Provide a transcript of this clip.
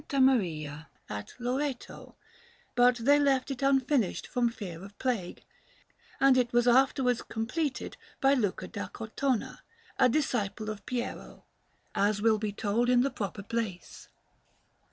Maria at Loreto; but they left it unfinished from fear of plague, and it was afterwards completed by Luca da Cortona, a disciple of Piero, as will be told in the proper place.